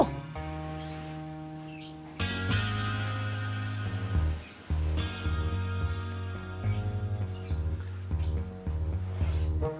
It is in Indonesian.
nggak ada apa apa